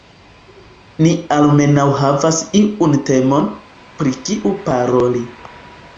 Ni almenaŭ havas iun temon, pri kiu paroli.